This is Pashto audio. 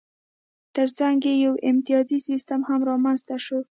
ترڅنګ یې یو امتیازي سیستم هم رامنځته شو